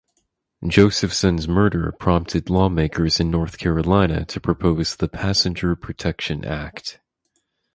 Josephson’s murder prompted lawmakers in North Carolina to propose the Passenger Protection Act.